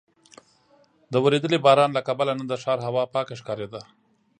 د ورېدلي باران له کبله نن د ښار هوا پاکه ښکارېده.